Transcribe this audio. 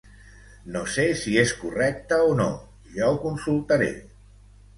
No sé si és correcte o no, ja ho consultaré.